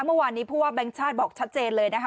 เมื่อวานนี้ผู้ว่าแบงค์ชาติบอกชัดเจนเลยนะคะ